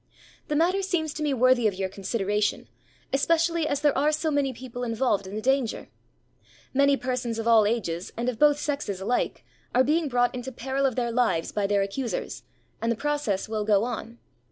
The matter seems to me worthy of your consideration, especially as there are so many people involved in the danger. Many persons of all ages, and of both sexes alike, are being brought into peril of their lives by their accusers, and the process will go on.